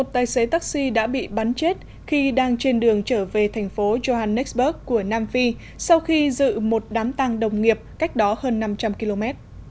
một tài xế taxi đã bị bắn chết khi đang trên đường trở về thành phố johannesburg của nam phi sau khi dự một đám tăng đồng nghiệp cách đó hơn năm trăm linh km